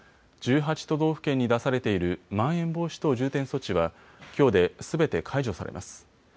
都道府県に出されているまん延防止等重点措置はきょうですべて解除されます。